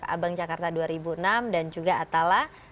abang jakarta dua ribu enam dan juga atala